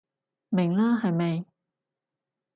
明啦係咪？